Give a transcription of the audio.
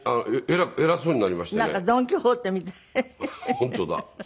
本当だ。